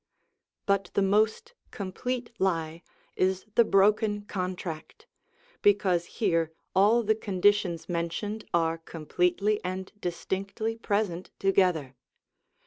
But the most complete lie is the broken contract, because here all the conditions mentioned are completely and distinctly present together.